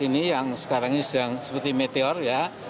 ini yang sekarang seperti meteor ya